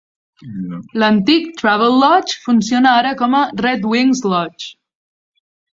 L'antic Travelodge funciona ara com a Redwings Lodge.